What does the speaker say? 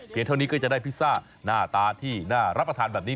เท่านี้ก็จะได้พิซซ่าหน้าตาที่น่ารับประทานแบบนี้